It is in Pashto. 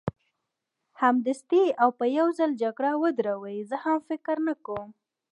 سمدستي او په یو ځل جګړه ودروي، زه هم فکر نه کوم.